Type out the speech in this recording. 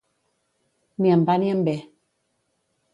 Ni em va ni em ve.